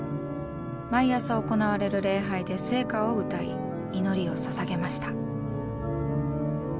毎朝行われる礼拝で「聖歌」を歌い祈りを捧げました。